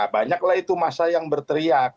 banyaklah itu masa yang berteriak